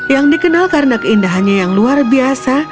yang dikenal karena keindahannya yang luar biasa